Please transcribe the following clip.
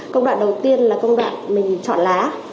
công đoạn đầu tiên là công đoạn mình chọn lá